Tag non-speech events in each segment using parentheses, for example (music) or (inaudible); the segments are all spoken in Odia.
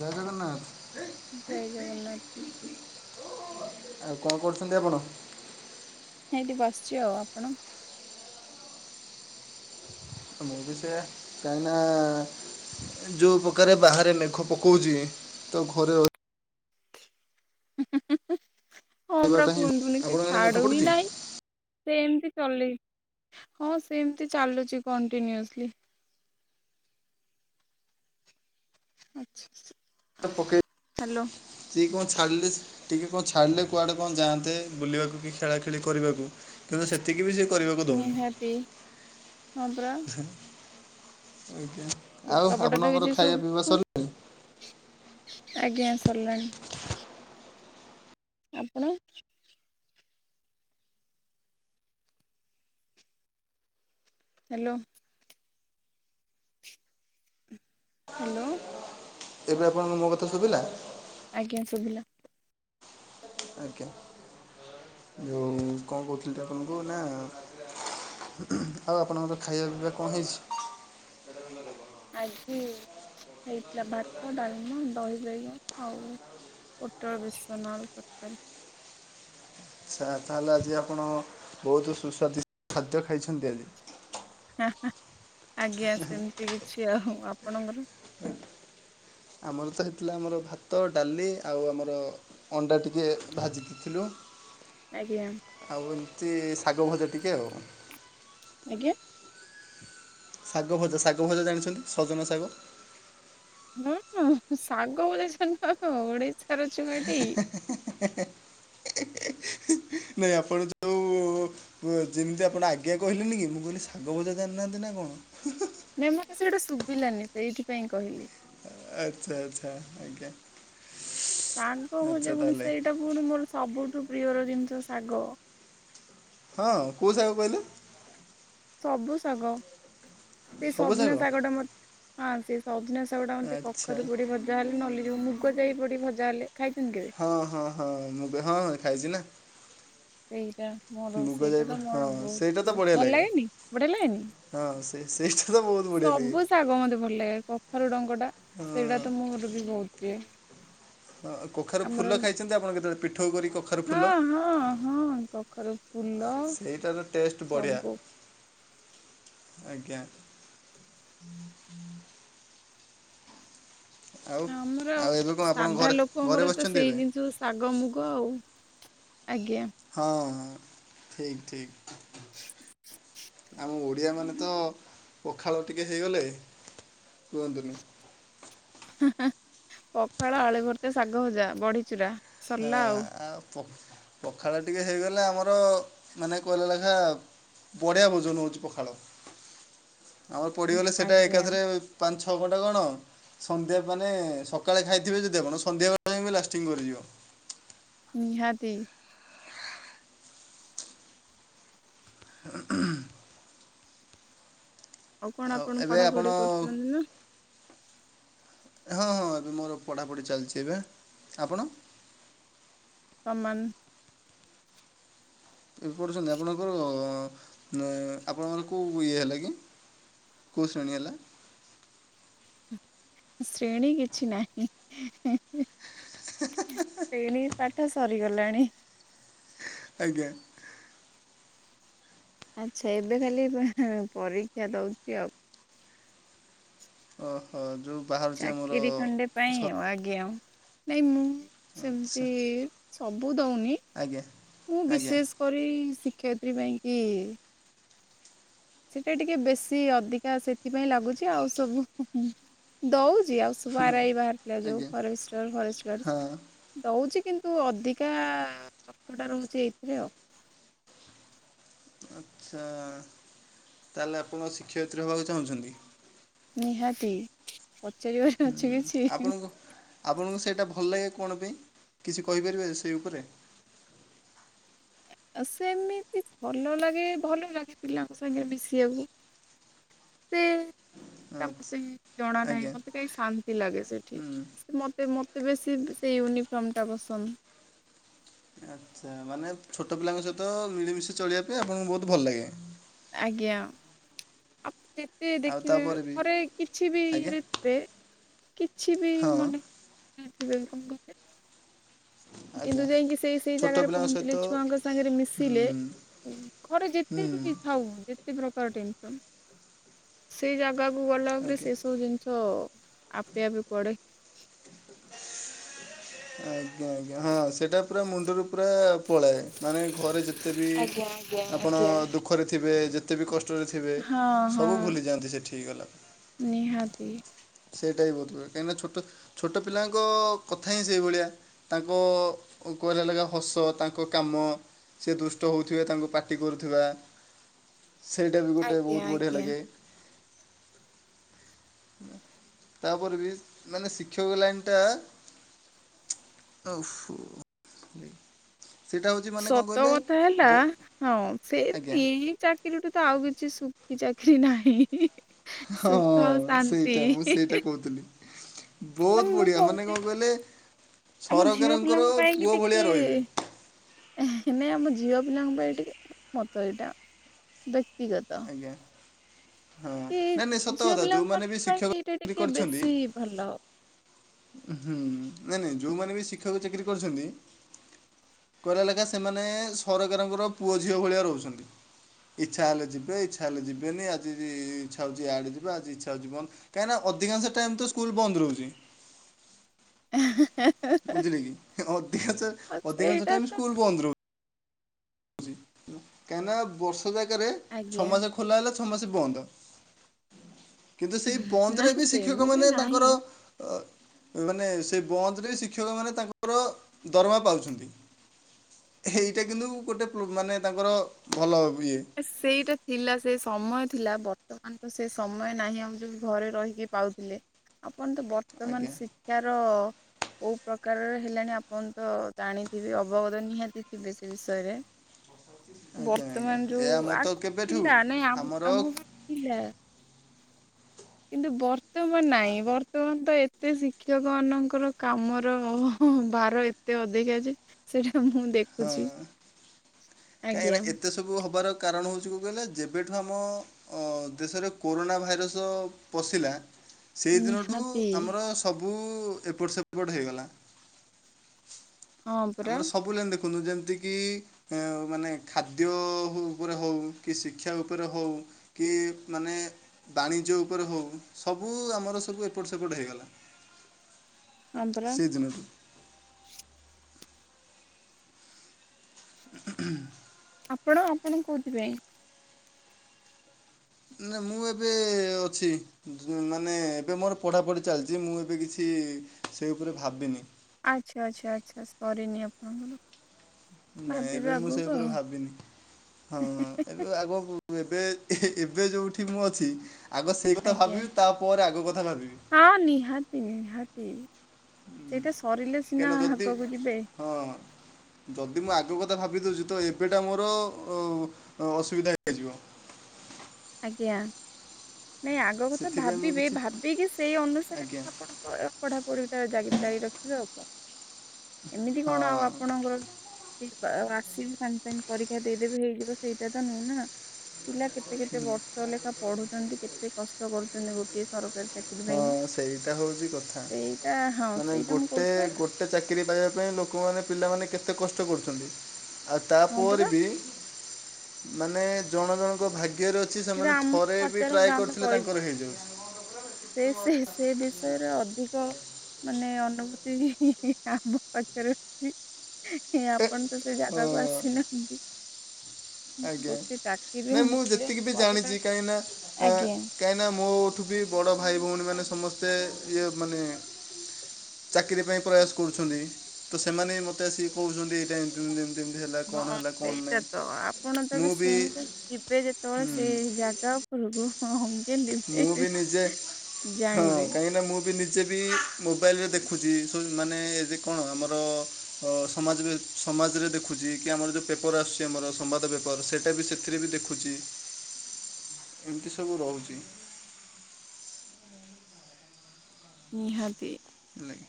ଜୟ ଜଗନ୍ନାଥ। ଜୟ ଜଗନ୍ନାଥ। ଆଉ କଣ କରୁଛନ୍ତି ଆପଣ। ଏଠି ବସିଛି ଆଉ ଆପଣ। ମୁଁ ବି ସେୟା କାହିଁକି ନା ଯୋଉ ପ୍ରକାରେ ବାହାରେ ମେଘ ପକାଉଛି ତ ଘରେ ହଁ ପରା ରହିବାଟା ହିଁ କୁହନ୍ତୁନି ସେ ଆପଣଙ୍କ ଆଡ଼େ ମେଘ ଛାଡୁ ହିଁ ପଡୁଛି? ନାହିଁ। ସେମିତି ଚଲେଇଛି ହଁ ସେମତି ଚାଲୁଛି କଣ୍ଟିନ୍ୟୁଅସ୍ଲି। ଆଚ୍ଛା। ପକେଇ ସେ କଣ ଛାଡ଼ିଲେ ଟିକେ କଣ ଛାଡ଼ିଲେ କୁଆଡେ କଣ ଯାଆନ୍ତେ ବୁଲିବାକୁ କି ଖେଳା ଖେଳି କରିବାକୁ। କିନ୍ତୁ ସେତିକି ବି ସେ କରିବାକୁ ଦଉନି। ନିହାତି ହଁ ପରା ଆଜ୍ଞା ଆଉ ଲୁଗାପଟା ତ ଆପଣଙ୍କର କିଛି ଖାଇବା ପିଇବା ଶୁଭୁନି ସ ଆଜ୍ଞା ସରିଲାଣି। ଆପଣ। ହାଲୋ। ହାଲୋ। ଏବେ ଆପଣଙ୍କୁ ମୋ କଥା ସୁବିଲା? ଆଜ୍ଞା ସୁଭିଲା। ଆଜ୍ଞା ଯଉ କଣ କହୁଥିଲିତ ଆପଣଙ୍କୁ ନା ଆଉ ଆପଣଙ୍କର ଖାଇବା ପିଇବା କଣ ହେଇଛି? (inaudible) ଆଜି ହେଇଥିଲା ଭାତ ଡାଲମା ଦହି ବାଇଗଣ ଆଉ ପୋଟଳ ବେସନ ଆଳୁ ତରକାରି। ଛା ତାହେଲେ ଆଜି ଆପଣ ବହୁତୁ ସୁସ୍ୱାଦି (unintelligible) ଖାଦ୍ୟ ଖାଇଛନ୍ତି ଆଜି। ହା-ହା ଆଜ୍ଞା ସେମିତି କିଛି ଆଉ ଆପଣଙ୍କର? ଆମର ତ ହେଇଥିଲା ଆମର ଭାତ ଡାଲି ଆଉ ଆମର ଅଣ୍ଡା ଟିକେ ଭାଜି ଦେଇଥିଲୁ। ଆଜ୍ଞା। ଆଉ ଏମିତି ଶାଗ ଭଜା ଟିକେ ଆଉ। ଆଜ୍ଞା! ଶାଗ ଭଜା ଶାଗ ଭଜା ଜାଣିଛନ୍ତି ସଜନା ଶାଗ। ହୁଁ ହୁଁ ଶାଗ ଭଜା ଜାଣିନୁ ଓଡିଶାର ଛୁଆଟି। ନାଇଁ ଆପଣ ଯୋଉ। ଉ ଯେମିତି ଆପଣ ଆଜ୍ଞା କହିଲେନି କି ମୁଁ କହିଲି ଶାଗ ଭଜା ଜାଣିନାହାନ୍ତି ନା କଣ। ନାଇଁ ମତେ ସେଇଟା ସୁବିଲାନି ସେଇଥିପାଇଁ କହିଲି। ଆଚ୍ଛା ଆଚ୍ଛା ଆଜ୍ଞା। ଶାଗ ଆଚ୍ଛା ଭଜା ପୁଣି ତାହେଲେ ସେଇଟା ପୁଣି ମୋର ସବୁଠୁ ପ୍ରିୟର ଜିନିଷ ଶାଗ। ହଁ କଉ ଶାଗ କହିଲେ? ସବୁ ଶାଗ ଏଇ ସବୁ ସଜନା ଶାଗ ଶାଗଟା ମୋ ହଁ ସେ ସଜନା ଶାଗଟା ମତେ ଆଚ୍ଛା କଖାରୁ ପଡ଼ି ଭଜା ଯାହା ହେଲେ ନଲିଯଉ ମୁଗ ଯାଇ ପଡ଼ି ଭଜା ହେଲେ ଖାଇଛନ୍ତି କେବେ? ହଁ ହଁ ହଁ ମୁଗ ହଁ ଖାଇଛି ନା। ସେଇଟା ମୋର ମୁଗ ସେଇଟା ଯାଇ ତ ହଁ ମୋର ସେଇଟା ବହୁତ ତ ପ୍ରିୟ ବଢ଼ିଆ ଭଲ ଲାଗେ ଲାଗେନି ବଢିଆ ଲାଗେନି। ହଁ ସେ ସେଇଟା ତ ବହୁତ ବଢ଼ିଆ ଲାଗେ ସବୁ ଶାଗ ମତେ ଭଲ ଲାଗେ କଖାରୁ ଡଙ୍କଟା ସେଇଟା ହଁ ତ ମୋ ର ବି ବହୁତ ପ୍ରିୟ। କଖାରୁ ଫୁଲ ଆମର ଖାଇଛନ୍ତି ଆପଣ କେତେବେଳେ ପିଠଉ କରି କଖା ହଁ ହଁ ହଁ କଖାରୁ ଫୁଲ ସେଇଟାର ଟେଷ୍ଟ ବଢ଼ିଆ ସବୁ। ଆଜ୍ଞା। ଆଉ ଆମର ଆଉ ଏବେ କଣ ଆପଣ ସାଧା ଘରେ ଘରେ ଲୋକଙ୍କର ତ ବସିଛନ୍ତି ସେଇ ଏବେ ଜିନିଷ ଶାଗ ମୁଗ ଆଉ ଆଜ୍ଞା। ହଁ ଠିକ୍ ଠିକ୍ ଆମ ଓଡିଆ ମାନେ ତ ପଖାଳ ଟିକେ ହେଇଗଲେ କୁହନ୍ତୁନି ପଖାଳ, ଆଳୁ ଭର୍ତା, ଶାଗ ଭଜା, ବଢିଚୁରା। ସରିଲା ଆଉ ଏଁ ପଖାଳ ଟିକେ ହେଇଗଲେ ଆମର ମାନେ କହିଲା ଲେଖା ବଢିଆ ଭୋଜନ ହଉଛି ପଖାଳ ଆମର ପଡିଗଲେ ସେଟା ଆଜ୍ଞା ଏକାଥରେ ପାଞ୍ଚ ଛଅ ଘଣ୍ଟା କଣ? ସନ୍ଧ୍ୟା ମାନେ ସକାଳେ ଖାଇଥିବେ ଯଦି ଆପଣ ସନ୍ଧ୍ୟାବେଳେ ଲାଷ୍ଟିଂଙ୍ଗ କରିଯିବ। ନିହାତି। (unintelligible) ଆଉ କଣ ଆପଣ ପଢାପଢି କରୁଛନ୍ତି ନା? ହଁ ହଁ ମୋର ପଢ଼ାପଢ଼ି ଚାଲିଛି ଏବେ। ଆପଣ? କମାନ। ଏବେ ପଢ଼ୁଛନ୍ତି ଆପଣଙ୍କର ଆପଣଙ୍କର କୋଉ ଇଏ ହେଲା କି? କୋଉ ଶ୍ରେଣୀ ହେଲା? ଶ୍ରେଣୀ କିଛି ନାହିଁ। ଶେଣି ପାଠ ସରିଗଲାଣି। ଆଜ୍ଞା। ଆଚ୍ଛା ଏବେ ଖାଲି ପରୀକ୍ଷା ଦଉଛି ଆଉ। ଓହୋ ଯଉ ବାହାର ଚାକିରି ଖଣ୍ଡେ ପାଇଁ ଆଉ। ଆଜ୍ଞା ନାଇଁ ମୁଁ ଆଚ୍ଛା ସେମତି ସବୁ ଦଉନି ଆଜ୍ଞା ମୁଁ ଆଜ୍ଞା ବିଶେଷ କରି ଶିକ୍ଷୟିତ୍ରୀ ପାଇଁ କି। ସେଟା ଟିକେ ବେଶି ଅଧିକା ସେଥିପାଇଁ ଲାଗୁଛି ଆଉ ସବୁ ଦଉଛି ଆଉ ଆର ଆଇ ବାହାରିଥିଲା ଯୋଉ ଆଜ୍ଞା ଫରେଷ୍ଟର ଫରେଷ୍ଟ ହଁ ଗାର୍ଡ଼। ଦଉଛି କିନ୍ତୁ ଅଧିକା କଷ୍ଟଟା ରହୁଛି ଏଇଥିରେ ଆଉ। ଆଚ୍ଛା! ତାହେଲେ ଆପଣ ଶିକ୍ଷୟିତ୍ରୀ ହେବାକୁ ଚାହୁଁଛନ୍ତି। ନିହାତି ପଚାରିବାର ଅଛି କିଛି। ଆପଣଙ୍କୁ ଆପଣଙ୍କୁ ସେଇଟା ଭଲ ଲାଗେ କଣ ପାଇଁ କିଛି କହିପାରିବେ ସେଇ ଉପରେ? ଆ ସେମିତି ଭଲ ଲାଗେ ଭଲ ଲାଗିଲା ଆମସାଙ୍ଗେ ମିଶିବାକୁ। ସେଇ ଟା ଆଚ୍ଛା ପାଇଁ ଜଣା ନାହିଁ ଆଜ୍ଞା ମତେ କାହିଁ ଶାନ୍ତି ଲାଗେ ସେଇଠି ହୁଁ ମତେ ମ ତେବେ ସେଇ ସେ ୟୁନିଫର୍ମଟା ପସନ୍ଦ। ଆଚ୍ଛା ମାନେ ଛୋଟ ପିଲାଙ୍କ ସହିତ ମିଳିମିଶି ଚଳିବା ପାଇଁ ଆପଣଙ୍କୁ ବହୁତ ଭଲଲାଗେ। ଆଜ୍ଞା ଆପଣ ଯେତେ ଆଉ ଦେଖିବେ ତାପରେ ବି ଘରେ କିଛିବି ଆଜ୍ଞା ଇଏରେ ବେ କିଛିବି ହଁ ମନେ ରଖିଥିବେକି କଣ ଘରେ? କିନ୍ତୁ ଆଜ୍ଞା ଯାଇକି ସେଇ ସେଇ ଛୋଟ ଜାଗାରେ ପିଲାଙ୍କ ସହିତ ପହଞ୍ଚିଲେ ଛୁଆଙ୍କ ସାଙ୍ଗରେ ହୁଁ ମିଶିଲେ ଘରେ ହୁଁ ଯେତେବି ଥାଉ ଯେ କେତେ ପ୍ରକାର ଟେନସନ୍ ସେଇ ଜାଗାକୁ ଗଲାପରେ ଆଜ୍ଞା ସେ ସବୁ ଜିନିଷ ଆପେ ଆପେ କୁଆଡେ ଆଜ୍ଞା ଆଜ୍ଞା ହଁ ସେଟା ପୁରା ମୁଣ୍ଡୁରୁ ପୁରା ପଳାଏ ମାନେ ଘରେ ଯେତେବି ଆଜ୍ଞା ଆଜ୍ଞା ଆପଣ ଆଜ୍ଞା। ଦୁଃଖରେ ଥିବେ ଯେ ତେବି କଷ୍ଟରେ ଥିବେ ହଁ ହଁ ସବୁ ଭୁଲିଯାଆନ୍ତି ସେଠିକି ଗଲା ନିହାତି। ସେଇଟାହିଁ ବୋଧହୁଏ କାହିଁକିନା ଛୋଟ ଛୋଟ ପିଲାଙ୍କ କଥାହିଁ ସେଇଭଳିଆ। ତାଙ୍କ କହିଲା ଲେଖା ହସ ତାଙ୍କ କାମ ସେ ଦୁଷ୍ଟ ହୋଉଥିବେ ତାଙ୍କୁ ପାଟି କରୁଥିବା ସେଇଟାବି ଗୋଟେ ଆଜ୍ଞା ବହୁତ ବଢିଆ ଆଜ୍ଞା। ଲାଗେ। ତାପରେବି ମାନେ ଶିକ୍ଷକ ଲାଇନଟା ଓହୋ (unintelligible) ହେଉଛି ମାନେ କ'ଣ ସତ କହିଲେ କଥା ହେଲା ବୋ ହଁ ସେଇ ଆଜ୍ଞା ଦି ଚାର କିରିଠୁତ ଆଉ କିଛି ଶୁଖି ଚାକିରି ନାହିଁ। ସୁଖ ଆଉ ଶାନ୍ତି ହିଁ ହିଁ। କୋଉଥିଲି। ବହୁତ ବଢିଆ ମାନେ କହୁଛି କଣ କହିଲେ? ଆମ ଝିଅ ସରକାରଙ୍କର ପିଲାଙ୍କ ପୁଅ ଭଳିଆ ରହିବେ। ଏ ହେନେ ଆମ ଝିଅପିଲାଙ୍କ ପାଇଁ ଟିକେ ମତ ଏଇଟା ବ୍ୟକ୍ତିଗତ। ଆଜ୍ଞା। ହଁ କି ନାଇଁ ନାଇଁ ଝିଅ ସତକଥା ପିଲାଙ୍କ ଯୋଉମାନେବି ପାଇଁ ଶିକ୍ଷକ ଏଇଟା ଚାକିରି ଟିକେ କରିଛନ୍ତି ବେଶୀ ଭଲ। ହୁଁ ନାଇଁ ନାଇଁ ଯୋଉମାନେବି ଶିକ୍ଷକ ଚାକିରି କରିଛନ୍ତି କହିଲା ଲେଖା ସେମାନେ ସରକାରଙ୍କର ପୁଅ ଝିଅ ଭଳିଆ ରହୁଛନ୍ତି। ଇଛା ହେଲେ ଯିବେ ଇଛା ହେଲେ ଯିବେନି ଆଜିବି ଇଛା ହଉଛି ଇଆଡେ ଯିବା ଆଜି ଇଛା ହଉଛି ବନ୍ଦ। କାହିଁକିନା ଅଧିକାଂଶ ଟାଇମତ ସ୍କୁଲ ବନ୍ଦ ରହୁଛି। (unintelligible) ହେଁ ହେଁ। ବୁଝିଲେକି ଅଧିକାଂଶ ଅଧିକାଂଶ ସେଇଟା ଟାଇମ ତ ସ୍କୁଲ ବନ୍ଦ ରହୁ କାହିଁନା ବର୍ଷ ଜାଗାରେ ଆଜ୍ଞା ଛଅମାସ ଖୋଲା ହେଲା ଛଅ ମାସ ବନ୍ଦ। କିନ୍ତୁ ସେଇ ନା ବନ୍ଦରେବି ଶିକ୍ଷକ ସେମିତି ମାନ ତାଙ୍କର ନାହିଁ। ଅଁ ମାନେ ସେ ବନ୍ଦରେ ଶିକ୍ଷକମାନେ ତାଙ୍କର ଦରମା ପାଉଛନ୍ତି। ହେଇଟା କିନ୍ତୁ ଗୋଟେ ପୋ ମାନେ ତାଙ୍କର ଭଲ ଇଏ। ସେଇଟା ଥିଲା ସେ ସମୟ ଥିଲା ବର୍ତ୍ତମାନ ସେ ସମୟ ନାହିଁ ଆମେ ଯୋଉ ଘରେ ରହିକି ପାଉଥିଲେ। ଆପଣତ ଆଜ୍ଞା ବର୍ତ୍ତମାନ ଶିକ୍ଷାର କୋଉ ପ୍ରକାରର ହେଲାଣି ଆପଣତ ଜାଣିଥିବେ ଅବଗତ ନିହାତି ଥିବେ ସେ ବିଷୟରେ। ଆଜ୍ଞା ଆଜ୍ଞା ଡୁ ଏ ଆମର ତ ଆକ୍ କେବେଠୁ ଥିଲା ଆମର ନେଆପ ହଁ ଆମୁଁ ଥିଲା। କିନ୍ତୁ ବର୍ତ୍ତମାନ ନାଇଁ ବର୍ତ୍ତମାନ ତ ଏ ତେ ଶିକ୍ଷକମାନଙ୍କର କାମର ଭାର ଏତେ ଅଧିକା ଯେ ସେଇଟା ମୁଁ ଦେ ହଁ କାହିଁକିନା ଏତେ ସବୁ ହବାର କାରଣ ହୋଉଚି କଣ କଇଲେ ଯେବେଠୁ ଆମ ଅ ଦେଶରେ କୋରୋନା ଭାଇରସ ପଶିଲା ସେହି ଦିନଠୁ ନିହାତି ଆମର ସ ସବୁ ଏପଟ ସେପଟ ହୋଇଗଲା। ହଁ ପରା ଆମର ସବୁ ଲାଇନ ଦେଖନ୍ତୁ ଯେମତିକ କି ମାନେ ଖାଦ୍ୟ ଉପରେ ହଉ କି, ଶିକ୍ଷା ଉପରେ ହଉ କି ମାନେ ବାଣିଜ୍ୟ ଉପରେ ହୋଉ ସବୁ ଆମର ସବୁ ଏପଟ ସେପଟ ହେଇଗଲେ। ହଁ ପରା ସେଜୁନୁ ଆପଣ ଆପଣ କୋଉଥିପାଇଁ? ନା ମୁଁ ଏବେ ଅଛି। ମାନେ ଏବେ ମୋର ପଢ଼ାପଢି ଚାଲଚି। ମୁଁ ଏବେ କିଛି ସେ ଉପରେ ଭାବିନି। ଆଚ୍ଛା ଆଚ୍ଛା ଆଚ୍ଛା ସରିନି ଆପଣଙ୍କର। ନାଇଁ ଭାବିବେ ଏବେ ମୁଁ ସେ ଆଗକୁ ଉପରେ ଆଉ ଭାବିନି। ହଁ ଏବେ ଆଗକୁ ଏବେ ଏବେ ଯୋଉଠି ମୁଁ ଅଛି ଆଗ ସେଇ କଥା ଆଜ୍ଞା ଭାବିବି ତାପରେ ଆଗ କଥା ଭାବିବି। ହଁ ନିହାତି ନିହାତି ସେଇଟା ସରିଲେ କାହିଁକିନା ସିନା ଯଦି ଆଗକୁ ଯିବେ। ହଁ ଯଦି ମୁଁ ଆଗ କଥା ଭାବି ଦୋଉଚି ତ ଏବେଟା ମୋର ଅ ଅସୁବିଧା ହେଇଯିବ। ଆଜ୍ଞା ନାଇଁ ଆଗ କଥା ସେଥିପାଇଁ ମୁଁ ଭାବିବେ କିଛି ଭାବିକି ସେଇ ଅନୁସାରେ ଆଜ୍ଞା ଆପଣ ପଢାପଢିଟା ତ ଜାଗି ଜାରି ରଖିବେ ଆଉ କଣ। ଏମିତି କଣ ହଁ ଆଉ ଆପଣଙ୍କର ଦୀପା ଆଶୀର୍ବାଦ ପାଇଁ ପରୀକ୍ଷା ଦେଇଦେବେ ହେଇଯିବ ସେଇଟା ତ ନୁହେନା। ପିଲା କେତେ କେତେ ତ ଲେଖା ପଢ଼ୁଚନ୍ତି କେତେ କଷ୍ଟ କରୁଚନ୍ତି ଗୋଟିଏ ସରକାରି ହଁ ସେଇଟା ହୋଉଚି କଥା। ସେଇଟା ହଁ ମାନେ ସେଇଟା ମୁଁ ଗୋଟେ କହୁଛି ବା ଗୋ ଟେ ଚାକିରି ପାଇବା ପାଇଁ ଲୋକମାନେ, ପିଲାମାନେ କେତେ କଷ୍ଟ କରୁଚନ୍ତି। ଆଉ ହଁ ପରା ତାପରେବି ମାନେ ଜଣ ଜଣଙ୍କ ଭାଗ୍ୟରେ ଅ ଛି। ସେଇଟା ସେମାନେ ଆମକୁ ଥରେ ବି ପଚାରନ୍ତୁ ଟ୍ରାଏ ଆମେ କରିଥିଲେ କହିବୁ ତାଙ୍କର ହେଇଯାଉ ସେ ସେ ସେ ବିଷୟରେ ଅଧିକ ମାନେ ଅନୁଭୂତି ଆମ ପାଖରେ ଅଛି। ଏ, ଆପଣ ତ ସେ ହଁ ଜାଗାକୁ ଆସିନାହାନ୍ତି। ଆଜ୍ଞା ଗୋଟେ ଚାକିରିରେ ନାଇ ମୁଁ ହେଲେ ଯେତିକି ବି ପରିବାର ଜାଣିଚି କାହିଁକିନା ଆ ଆଜ୍ଞା। କାହିଁକିନା ମୋଠୁବି ବଡ଼ ଭାଇ ଭଉଣୀମାନେ ସମସ୍ତେ ଇଏ ମାନେ ଚାକିରି ପାଇଁ ପ୍ରୟାସ କରୁଛନ୍ତି ତ ସେମାନେ ହିଁ ମତେ ସିକୋଉଚନ୍ତି ଏଇ ଟାଇମ ଏମତି ଏମତି ହେଲା କଣ ହେଲା କଣ ନାଇଁ। ଆପଣତ ଏବେ ଶୁଣୁଚନ୍ତି ଯିବେ ଯେତୋବେଳେ ସେ ଜାଗା ଉପରକୁ ହଁ ମୁଁ ଗେଲିବେ ବି ନିଜେ ହଁ ଜାଣିବେ। କାହିଁକିନା ମୁଁ ବି ନିଜେ ବି ମୋବାଇଲରେ ଦେଖୁଚି ସୋଜ ମାନେ ଏ ଯେ କଣ ଆମର ସମାଜରେ ସମାଜରେ ଦେଖୁଚି, କି ଆମର ଯେଉଁ ପେପର୍ ଆସୁଚି ଆମର ସମ୍ବାଦ ପେପର୍ ସେଇଟା ବି ସେଥିରେ ବି ଦେଖୁଚି। ଏମିତି ସବୁ ରହୁଚି। ନିହାତି। ହେଲାକି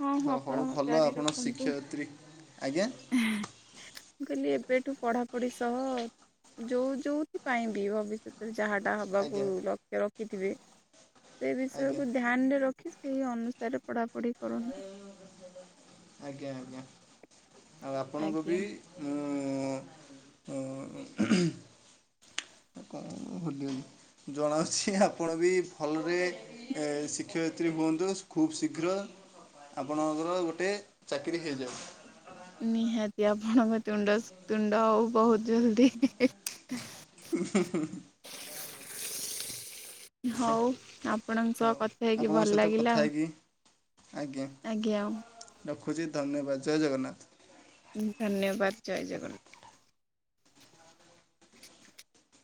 ହଁ ହଁ ହ ହଉ ଆପଣ ଭଲ ଜାରି ଆପଣ ରଖନ୍ତୁ। ଶିକ୍ଷୟିତ୍ରୀ ଆଜ୍ଞା। ମୁଁ କହିଲି ଏବେଠୁ ପଢାପଢି ସହ ଯୋଉ ଯୋଉଥି ପାଇଁ ବି ଭବିଷ୍ୟ ଯାହା ଟା ହବାକୁ ଆଜ୍ଞା ଲକ୍ଷ ରଖିଥିବେ ସେ ଆଜ୍ଞା ବିଷୟକୁ ଧ୍ୟାନ ରେ ର କି ସେଇ ଅନୁସାରେ ପଢାପଢି କରନ୍ତୁ। ଆଜ୍ଞା ଆଜ୍ଞା ଆଉ ଆପଣଙ୍କୁ ଆଜ୍ଞା ବି ମୁଁ (unintelligible) କ ହଲି ହଲି ଜଣାଅଛି ଆପଣ ବି ଭଲରେ ଏ ଶିକ୍ଷୟିତ୍ରୀ ହୁଅନ୍ତୁ ଖୁବ୍ ଶୀଘ୍ର ଆପଣଙ୍କର ଗୋଟେ ଚାକିରି ହେଇଯାଉ। ନିହାତି ଆପଣଙ୍କ ତୁଣ୍ଡ ଶୁତୁଣ୍ଡ ହୋଉ ବହୁତ ଜଲଦି ହିଁ ହିଁ ହିଁ ହ (unintelligible) ହଉ ଆପ୍ ଆପଣଙ୍କ ହଉ ସହ କଥା ହେଇକି ଆପଣଙ୍କ ଭଲ ସହିତ କଥା ଲାଗିଲା। ହେଇକି ଆଜ୍ଞା। ଆଜ୍ଞା। ରଖୁଛି ଧନ୍ୟବାଦ ଜୟ ଜଗନ୍ନାଥ। ଧନ୍ୟବାଦ ଜୟ ଜଗନ୍ନା